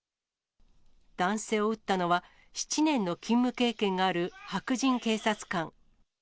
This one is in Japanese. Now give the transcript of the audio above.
男性を撃ったのは、７年の勤務経験がある白人警察官。